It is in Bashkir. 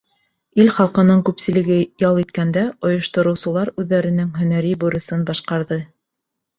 Ил халҡының күпселеге ял иткәндә ойоштороусылар үҙҙәренең һөнәри бурысын башҡарҙы.